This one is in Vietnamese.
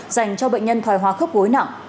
dành cho bệnh nhân thoi hóa khớp gối nặng